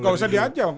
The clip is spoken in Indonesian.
gak usah diajak